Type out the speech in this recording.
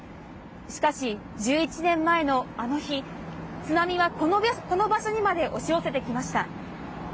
しかし、１１年前のあの日、津波はこの場所にまで押し寄せてきました。